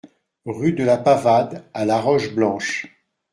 Rue de la Pavade à La Roche-Blanche